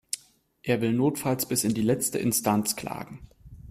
Er will notfalls bis in die letzte Instanz klagen.